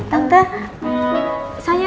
tante saya duluan ya